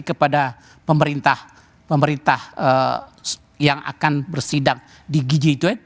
kepada pemerintah pemerintah yang akan bersidang di g dua puluh